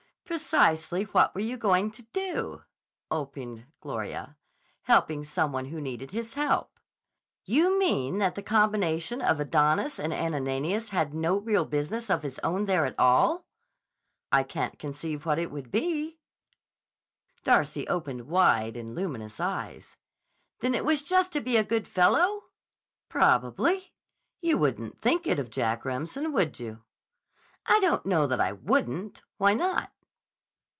"Precisely what you were going to do," opined Gloria. "Helping some one who needed his help." "You mean that that combination of Adonis and Ananias had no real business of his own there at all?" "I can't conceive what it would be." Darcy opened wide and luminous eyes. "Then it was just to be a good fellow?" "Probably. You wouldn't think it of Jack Remsen, would you?" "I don't know that I wouldn't. Why not?"